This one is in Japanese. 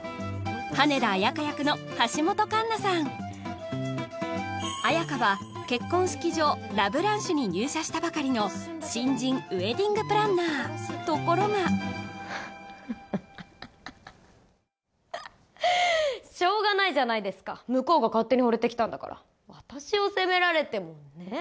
羽田綾華役の橋本環奈さん綾華は結婚式場ラ・ブランシュに入社したばかりの新人ウェディングプランナーところがしょうがないじゃないですか向こうが勝手にほれてきたんだから私を責められてもねえ